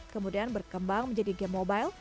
kemudian berkembang menjadi game mobile